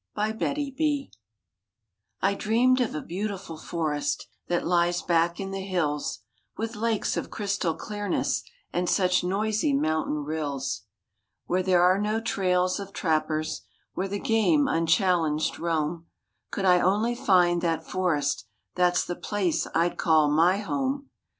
*MY DREAM* I dreamed of a beautiful forest That lies back in the hills, With lakes of crystal clearness And such noisy mountain rills. Where there are no trails of trappers, Where the game unchallenged roam— Could I only find that forest, That's the place I'd call my home.